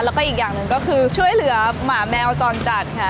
แล้วก็อีกอย่างหนึ่งก็คือช่วยเหลือหมาแมวจรจัดค่ะ